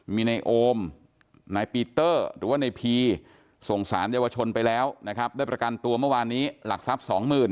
มีในโอมนายปีเตอร์หรือว่าในพีส่งสารเยาวชนไปแล้วนะครับได้ประกันตัวเมื่อวานนี้หลักทรัพย์สองหมื่น